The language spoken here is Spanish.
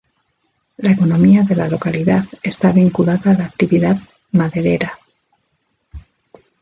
La economía de la localidad está vinculada a la actividad maderera.